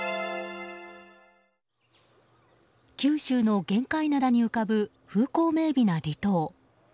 九州の玄界灘に浮かぶ風光明媚な離島。